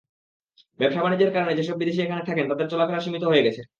ব্যবসা-বাণিজ্যের কারণে যেসব বিদেশি এখানে থাকেন, তাঁদের চলাফেরা সীমিত হয়ে গেছে।